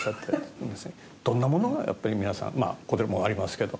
どんなものがやっぱり皆さんまあこれもありますけど。